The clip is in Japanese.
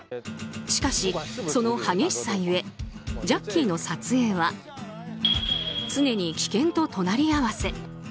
しかし、その激しさ故ジャッキーの撮影は常に危険と隣り合わせ。